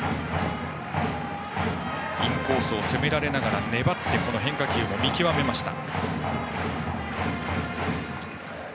インコースを攻められながら粘って、変化球を見極めました。